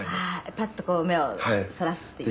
「パッとこう目をそらすっていう」